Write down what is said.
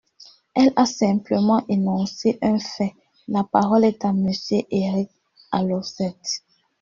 Elle a simplement énoncé un fait ! La parole est à Monsieur Éric Alauzet.